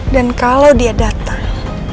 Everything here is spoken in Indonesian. dan kalau dia datang